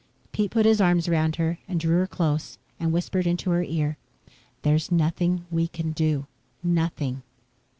Pete put his arms around her and drew her close and whispered into her ear. "There's nothing we can do nothing."